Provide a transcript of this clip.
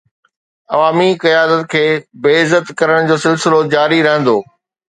عوامي قيادت کي بي عزت ڪرڻ جو سلسلو جاري رهندو.